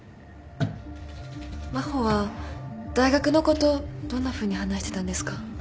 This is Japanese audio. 真帆は大学のことどんなふうに話してたんですか？